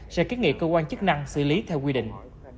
sẽ kiến nghị cơ quan chức năng xử lý theo quy định